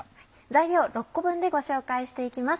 材料６個分でご紹介していきます。